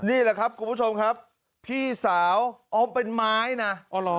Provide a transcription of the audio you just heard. นี่แหละครับคุณผู้ชมครับพี่สาวอ๋อมเป็นไม้นะ